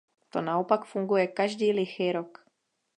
To naopak funguje každý lichý rok.